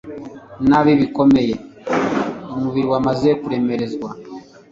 nabi bikomeye umubiri wamaze kuremerezwa